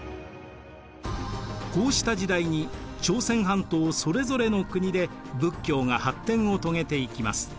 こうした時代に朝鮮半島それぞれの国で仏教が発展を遂げていきます。